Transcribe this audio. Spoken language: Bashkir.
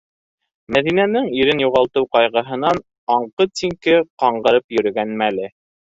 Мәҙинәнең ирен юғалтыу ҡайғыһынан аңҡы-тиңке ҡаңғырып йөрөгән мәле.